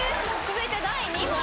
続いて第２問。